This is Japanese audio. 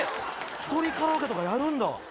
１人カラオケとかやるんだ。